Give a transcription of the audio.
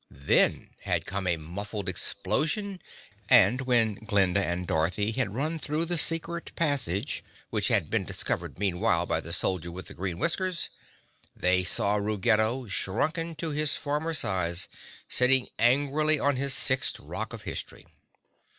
Then had come a muffled explosion, and when Glinda and Dorothy ran through the secret passage, which had been discovered meanwhile by the Soldier with the Green Whiskers, they saw Ruggedo, shrunken to his former size, sitting angrily on his sixth rock of history.